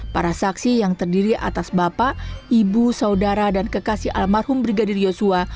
para saksi yang terdiri atas bapak ibu saudara dan kekasih almarhum brigadir yosua